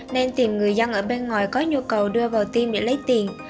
nên tìm người dân ở bên ngoài có nhu cầu đưa vào tim để lấy tiền